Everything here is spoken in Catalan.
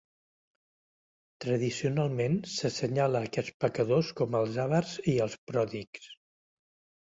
Tradicionalment s'assenyala aquests pecadors com els avars i els pròdigs.